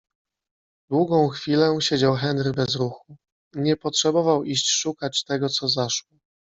Długą chwilę siedział Henry bez ruchu. Nie potrzebował iść szukać tego, co zaszło.